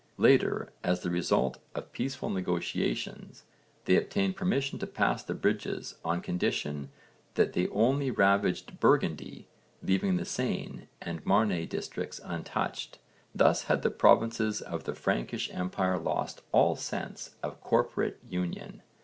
Later, as the result of peaceful negotiations, they obtained permission to pass the bridges on condition that they only ravaged Burgundy, leaving the Seine and Marne districts untouched; thus had the provinces of the Frankish empire lost all sense of corporate union.